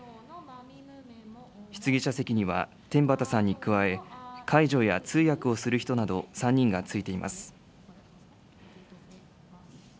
質疑者席には、天畠さんに加え、介助や通訳をする人など３人がついています。